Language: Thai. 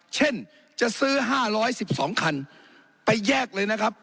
เช่นจะซื้อ๕๑๒คันไปแยกเลยนะครับ